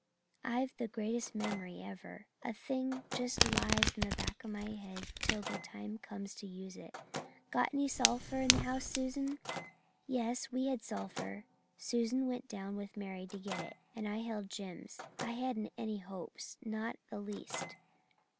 I've the greatest memory ever a thing just lies in the back of my head till the time comes to use it. Got any sulphur in the house, Susan?' "Yes, we had sulphur. Susan went down with Mary to get it, and I held Jims. I hadn't any hope not the least.